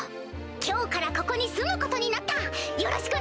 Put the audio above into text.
今日からここに住むことになったよろしくな！